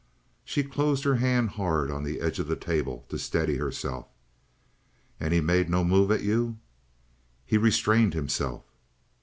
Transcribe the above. She closed her hand hard on the edge of the table to steady herself. "And he made no move at you?" "He restrained himself."